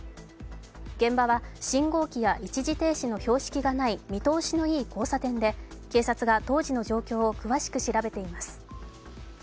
現場は信号機や一時停止の標識がない、見通しのいい交差点で警察が当時の状況を詳しく調べています。